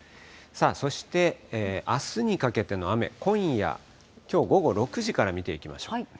そしてあすにかけての雨、今夜、きょう午後６時から見ていきましょう。